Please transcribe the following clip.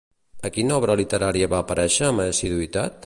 A quina obra literària va aparèixer amb assiduïtat?